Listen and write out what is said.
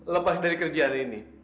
lepas dari kerjaan ini